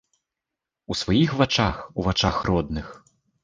У сваіх вачах, у вачах родных.